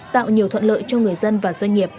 tạo nhiều thuận lợi cho người dân và doanh nghiệp